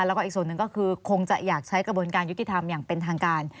แล้วก็อีกส่วนหนึ่งก็คือคงจะอยากใช้กระบวนการยุติธรรมอย่างเป็นทางการ